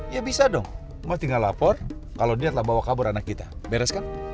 ya bisa dong mas tinggal lapor kalo dia telah bawa kabur anak kita beres kan